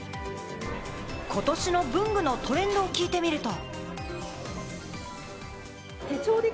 ことしの文具のトレンドを聞いてみると。